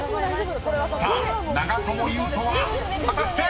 ［さあ長友佑都は果たして⁉］